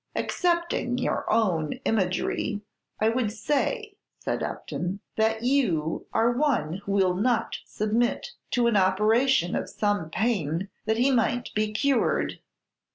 "Accepting your own imagery, I would say," said Upton, "that you are one who will not submit to an operation of some pain that he might be cured."